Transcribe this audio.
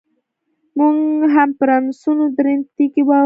موږ هم پرنسونو درنې تیږې واړولې.